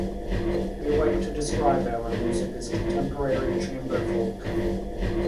We like to describe our music as contemporary chamber folk.